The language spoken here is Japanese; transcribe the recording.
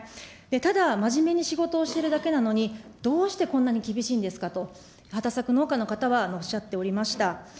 ただ真面目に仕事をしてるだけなのに、どうしてこんなに厳しいんですかと、畑作農家の方はおっしゃっておりました。